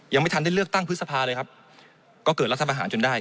ยังไม่ทันได้เลือกตั้งพฤษภาเลยครับก็เกิดรัฐประหารจนได้